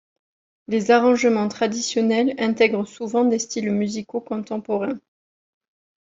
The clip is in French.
Les arrangements traditionnels intègrent souvent des styles musicaux contemporains.